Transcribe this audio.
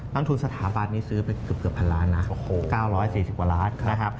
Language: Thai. น้ำทุนสถาบันนี้ซื้อไปเกือบ๑๐๐๐ล้านนะครับ๙๔๐กว่าล้าน